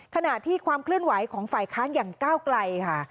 ขณะที่ความเคลื่อนไหวของฝ่ายค้านอย่างก้าวไกลค่ะ